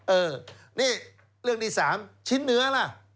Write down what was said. เออนี่เรื่องที่๓ชิ้นเนื้อล่ะ